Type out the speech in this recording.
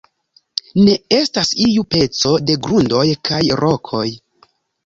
Ne estas iu peco de grundoj kaj rokoj.